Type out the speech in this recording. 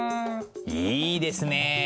いいですねえ。